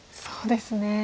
そうですね。